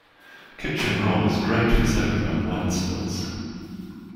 Kitchen roll is great for soaking up wine spills.